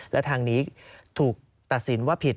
และทางนี้ถูกตัดสินว่าผิด